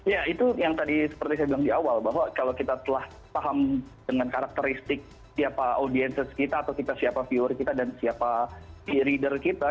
ya itu yang tadi seperti saya bilang di awal bahwa kalau kita telah paham dengan karakteristik siapa audiences kita atau kita siapa viewer kita dan siapa di reader kita